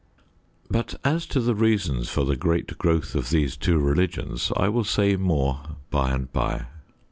But as to the reasons for the great growth of these two religions I will say more by and by.